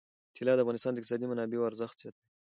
طلا د افغانستان د اقتصادي منابعو ارزښت زیاتوي.